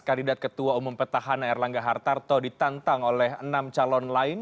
kandidat ketua umum petahana erlangga hartarto ditantang oleh enam calon lain